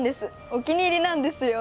お気に入りなんですよ。